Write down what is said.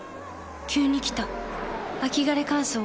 急に来た秋枯れ乾燥。